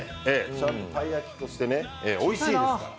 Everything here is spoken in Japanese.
ちゃんとたい焼きとしておいしいです。